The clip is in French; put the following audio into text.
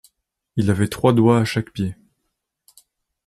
Il avait trois doigts à chaque pied.